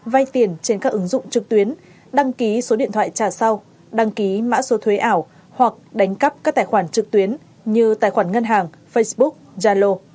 vay tiền trên các ứng dụng trực tuyến đăng ký số điện thoại trả sau đăng ký mã số thuế ảo hoặc đánh cắp các tài khoản trực tuyến như tài khoản ngân hàng facebook yalo